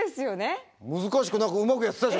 難しくないうまくやってたじゃん！